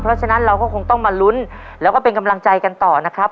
เพราะฉะนั้นเราก็คงต้องมาลุ้นแล้วก็เป็นกำลังใจกันต่อนะครับ